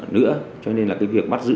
nữa cho nên là cái việc bắt giữ